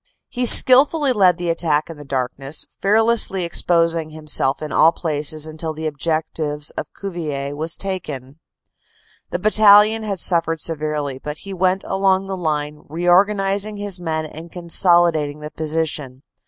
He skilfully led the attack in the darkness, fearlessly exposing himself in all phases until the objective of Cuvillers was taken. The battalion had suffered severely, but he went along the line, reorganizing his men and consolidating the position.